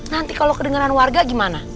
nanti kalau kedengeran warga gimana